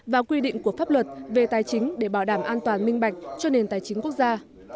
và quy định của pháp luật về tài chính để bảo đảm an toàn minh bạch cho nền tài chính quốc gia